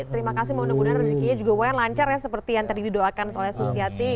terima kasih mudah mudahan rezeki wayne lancar ya seperti yang tadi didoakan soalnya susiati